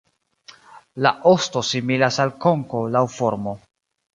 La osto similas al konko laŭ formo.